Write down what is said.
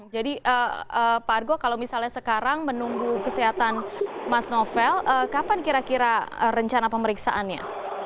jadi pak argo kalau misalnya sekarang menunggu kesehatan mas novel kapan kira kira rencana pemeriksaannya